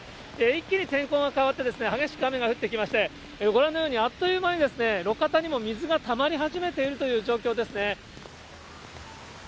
一気に天候が変わってですね、激しく雨が降ってきまして、ご覧のように、あっという間に路肩にも水がたまり始めているという状況ですね。